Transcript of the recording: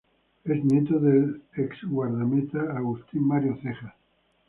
Es nieto del ex guardameta Agustín Mario Cejas.